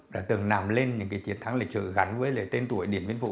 đã từng nằm lên những chiến thắng lịch sử gắn với tên tuổi điểm viên vụ